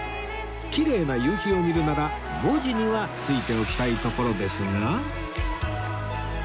きれいな夕日を見るなら５時には着いておきたいところですが